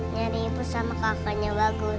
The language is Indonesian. nyari ibu sama kakaknya bagus